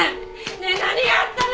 ねえ何があったの！？